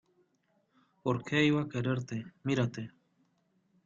¿ Por qué iba a quererte? ¡ mírate!